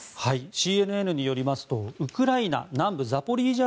ＣＮＮによりますとウクライナ南部ザポリージャ